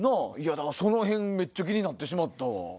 その辺めっちゃ気になってしまったわ。